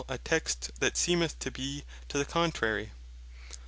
a text that seemeth to be to the contrary.